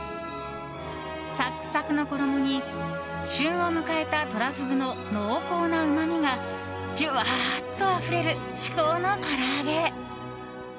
サクサクの衣に旬を迎えたトラフグの濃厚なうまみがジュワーッとあふれる至高のから揚げ。